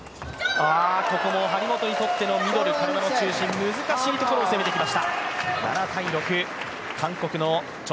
ここも張本にとってのミドル体の中心難しいところを攻めてきました。